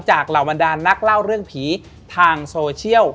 เหล่าบรรดานนักเล่าเรื่องผีทางโซเชียล